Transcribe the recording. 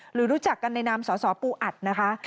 รู้จักกันในนามสสปูอัดนะคะ